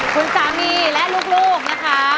คุณสามีและลูกนะคะ